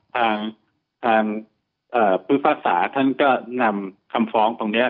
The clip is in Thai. ทางภิพศาสตร์ท่านก็นำคำฟ้องตรงนี้